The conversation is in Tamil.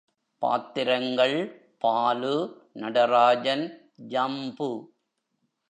பாத்திரங்கள் பாலு, நடராஜன், ஜம்பு.